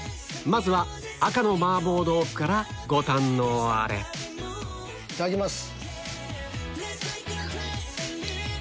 まずは赤の麻婆豆腐からご堪能あれいただきます。